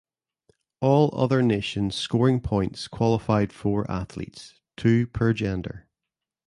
All other nations scoring points qualified four athletes (two per gender).